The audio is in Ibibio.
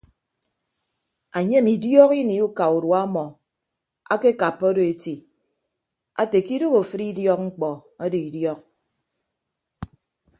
Enyem idiok ini uka urua ọmọ akekappa odo eti ate ke idooho afịd idiọk mkpọ ado idiọk.